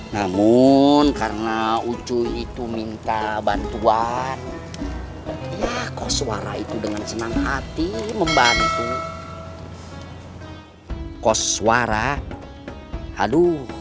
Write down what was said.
namun karena ucu itu minta bantuan ya kos suara itu dengan senang hati membantu kos suara aduh